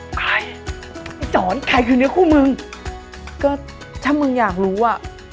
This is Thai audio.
ใครไอ้จ๋อนใครคือเนื้อคู่มึงก็ถ้ามึงอยากรู้อ่ะ